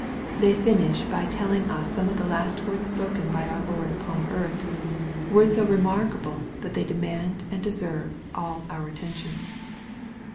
They finish by telling us some of the last words spoken by our Lord upon earth, — words so remarkable that they demand and deserve all our attention.